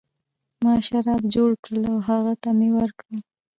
ما شراب جوړ کړل او هغه ته مې ورکړل.